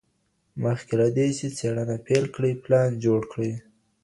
مخکي له دې چي څېړنه پیل کړئ، پلان جوړ کړئ.